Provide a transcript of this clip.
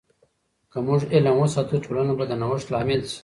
که موږ علم وساتو، ټولنه به د نوښت لامل سي.